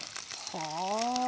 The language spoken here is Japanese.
はあ。